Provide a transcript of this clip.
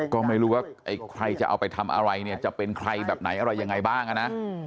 ก็ไม่รู้ว่าใครจะเอาไปทำอะไรเนี่ยจะเป็นใครแบบไหนอะไรยังไงบ้างนะ